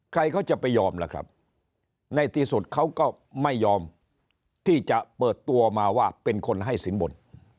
ใครเขาจะไปยอมล่ะครับในที่สุดเขาก็ไม่ยอมที่จะเปิดตัวมาว่าเป็นคนให้สินบน